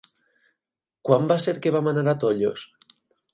Quan va ser que vam anar a Tollos?